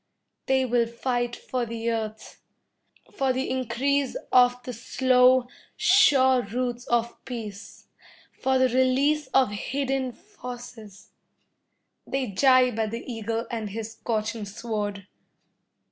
They will fight for the earth, for the increase of the slow, sure roots of peace, for the release of hidden forces. They jibe at the eagle and his scorching sword.